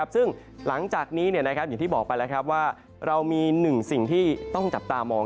ซึ่งหลังจากนี้อย่างที่บอกไปแล้วว่าเรามีหนึ่งสิ่งที่ต้องจับตามอง